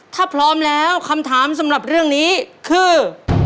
ถ้าพร้อมแล้วคำถามสำหรับเรื่องนี้คือ